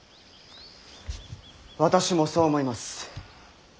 私もそう思います。